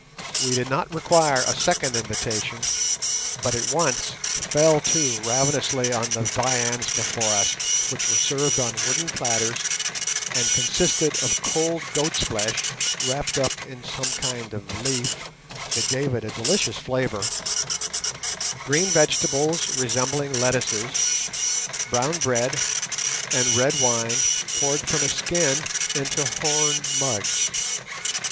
We did not require a second invitation, but at once fell to ravenously on the viands before us, which were served on wooden platters, and consisted of cold goat's flesh, wrapped up in some kind of leaf that gave it a delicious flavour, green vegetables resembling lettuces, brown bread, and red wine poured from a skin into horn mugs.